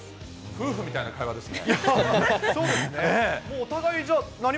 夫婦みたいな会話ですね。